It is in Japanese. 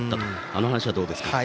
あの話はどうでしたか？